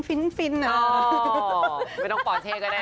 ไม่ต้องปอร์เชด้วยก็ได้เนอะ